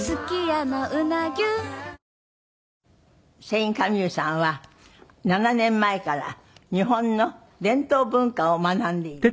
セインカミュさんは７年前から日本の伝統文化を学んでいる？